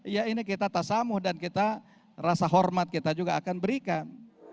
ya ini kita tasamu dan kita rasa hormat kita juga akan berikan